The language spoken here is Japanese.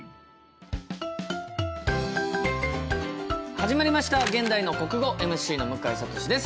始まりました「現代の国語」ＭＣの向井慧です。